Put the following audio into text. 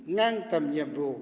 ngang tầm nhiệm vụ